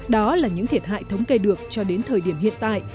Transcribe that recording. đó là những thiệt hại thống kê được cho đến thời điểm hiện tại